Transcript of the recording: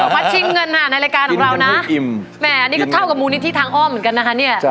วัดชิงเงินค่ะในรายการของเรานะแหมอันนี้ก็เท่ากับมูลนิธิทางอ้อมเหมือนกันนะคะเนี่ย